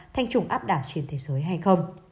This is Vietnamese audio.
thành chủng áp đảo trên thế giới hay không